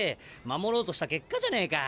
守ろうとした結果じゃねえか。